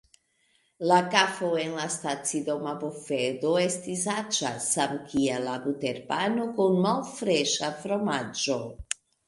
La kafo en la stacidoma bufedo estis aĉa, samkiel la buterpano kun malfreŝa fromaĝo.